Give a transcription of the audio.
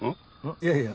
いやいや。